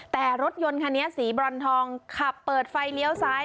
แต่รถยนต์คันนี้สีบรอนทองขับเปิดไฟเลี้ยวซ้าย